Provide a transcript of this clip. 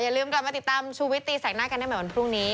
ลืมกลับมาติดตามชูวิตตีแสกหน้ากันได้ใหม่วันพรุ่งนี้